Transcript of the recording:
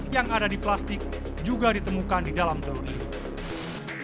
yang ada di plastik juga ditemukan di dalam telur ini